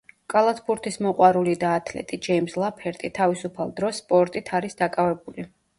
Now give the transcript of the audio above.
კალათბურთის მოყვარული და ათლეტი, ჯეიმზ ლაფერტი თავისუფალ დროს სპორტით არის დაკავებული.